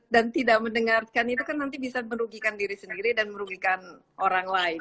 dan tidak mendengarkan itu kan nanti bisa merugikan diri sendiri dan merugikan orang lain